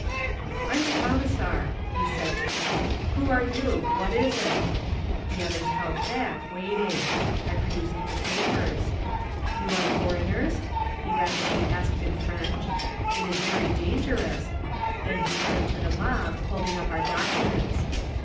"I'm the Commissar," he said to me. "Who are you? What is it?" The others held back, waiting. I produced the papers. "You are foreigners?" he rapidly asked in French. "It is very dangerous…." Then he turned to the mob, holding up our documents.